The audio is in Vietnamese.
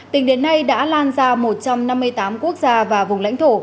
tính đến nay đã lan ra một trăm năm mươi tám quốc gia và vùng lãnh thổ